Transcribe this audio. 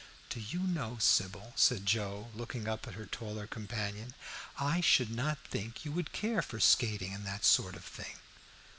"Do you know, Sybil," said Joe, looking up at her taller companion, "I should not think you would care for skating and that sort of thing."